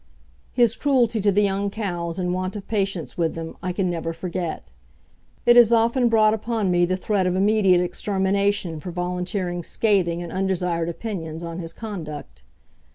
His cruelty to the young cows and want of patience with them I can never forget. It has often brought upon me the threat of immediate extermination for volunteering scathing and undesired opinions on his conduct.